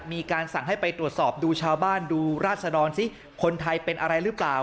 มีการสั่งให้ไปตรวจสอบดูชาวบ้านดูราศดรซิคนไทยเป็นอะไรหรือเปล่า